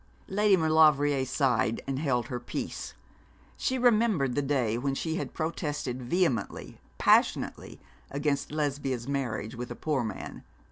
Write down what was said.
Lady Maulevrier sighed and held her peace. She remembered the day when she had protested vehemently, passionately, against Lesbia's marriage with a poor man.